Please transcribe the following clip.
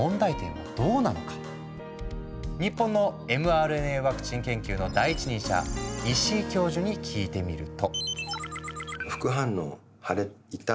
日本のｍＲＮＡワクチン研究の第一人者石井教授に聞いてみると。